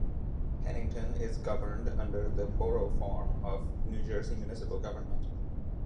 Pennington is governed under the Borough form of New Jersey municipal government.